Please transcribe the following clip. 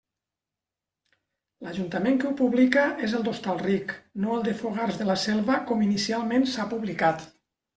L'Ajuntament que ho publica és el d'Hostalric, no el de Fogars de la Selva com inicialment s'ha publicat.